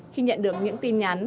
khi nhận được những tin nhắn